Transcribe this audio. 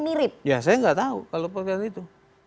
mirip ya saya tidak tahu kalau perbedaan itu